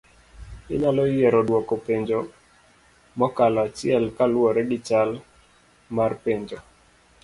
Inyalo yiero duoko penjo mokalo achiel kaluore gichal mar penjo